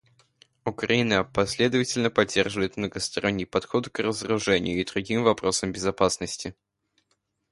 Украина последовательно поддерживает многосторонний подход к разоружению и другим вопросам безопасности.